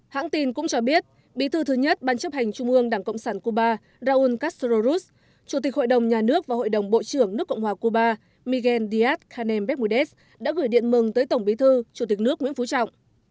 hãng tin cũng cho biết bí thư thứ nhất ban chấp hành trung ương đảng cộng sản cuba raúl castro ruz chủ tịch hội đồng nhà nước và hội đồng bộ trưởng nước cộng hòa cuba miguel díaz canem becmudez đã gửi điện mừng tới tổng bí thư chủ tịch nước nguyễn phú trọng